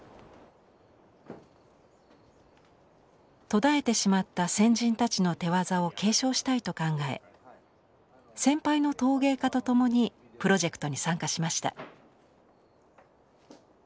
途絶えてしまった先人たちの手業を継承したいと考え先輩の陶芸家と共にプロジェクトに参加しました。